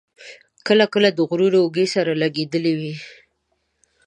کله کله د غرونو اوږې سره لګېدلې وې.